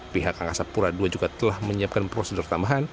pihak angkasa pura ii juga telah menyiapkan prosedur tambahan